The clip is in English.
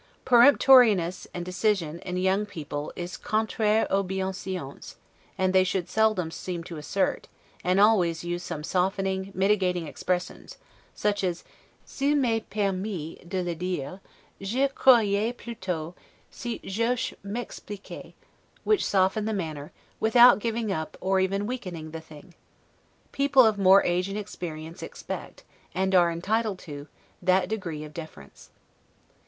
Peremptoriness and decision in young people is 'contraire aux bienseances', and they should seldom seem to assert, and always use some softening mitigating expression; such as, 's'il m'est permis de le dire, je croirais plutot, si j'ose m'expliquer', which soften the manner, without giving up or even weakening the thing. People of more age and experience expect, and are entitled to, that degree of deference.